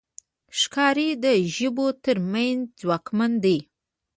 ښکاري د ژويو تر منځ ځواکمن دی.